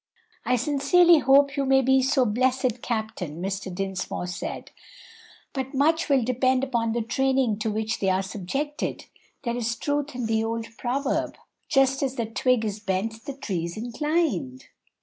"I sincerely hope you may be so blessed, captain," Mr. Dinsmore said, "but much will depend upon the training to which they are subjected. There is truth in the old proverb, 'Just as the twig is bent the tree's inclined.'"